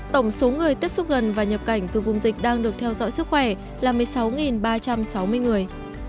tổng số người tiếp xúc gần và nhập cảnh từ vùng dịch đang được theo dõi sức khỏe là một mươi sáu ba trăm sáu mươi người